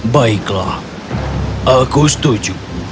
baiklah aku setuju